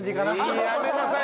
やめなさい。